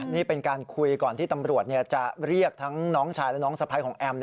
นี่เป็นการคุยก่อนที่ตำรวจจะเรียกทั้งน้องชายและน้องสะพ้ายของแอม